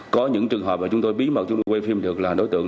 có những trường hợp mà chúng tôi bí mật chúng tôi quay phim được là đối tượng